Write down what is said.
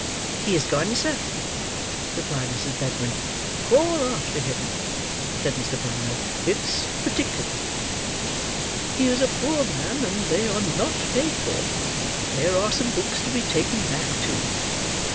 "He has gone, sir," replied Mrs. Bedwin. "Call after him," said Mr. Brownlow; "it's particular. He is a poor man, and they are not paid for. There are some books to be taken back, too."